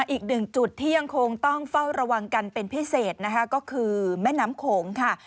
อีกหนึ่งจุดที่ยังคงต้องเฝ้าระวังกันเป็นพิเศษนะคะก็คือแม่น้ำโขงค่ะ